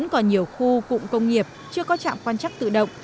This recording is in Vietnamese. công nghiệp chưa có trạm quan trắc tự động